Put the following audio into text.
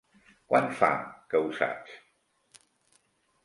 Quan fa que ho saps?